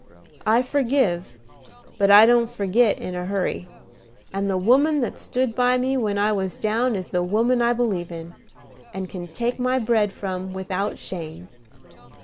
I forgive, but I don't forgit in a hurry; and the woman that stood by me when I was down is the woman I believe in, and can take my bread from without shame.